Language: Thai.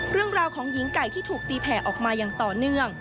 เรื่องราวของหญิงไก่ที่ถูกตีแผ่ออกมาอย่างต่อเนื่อง